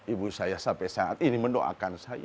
ibu saya sampai saat ini mendoakan saya